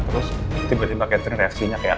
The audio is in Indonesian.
terus tiba tiba catering reaksinya kayak